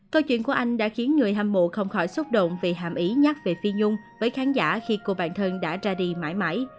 câu chuyện của anh đã khiến người hâm mộ không khỏi xúc động vì hàm ý nhắc về phi nhung với khán giả khi cô bản thân đã ra đi mãi mãi